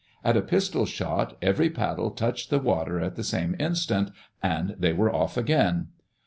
At a pistol shot every paddle touched the water at the same instant — and they were off again.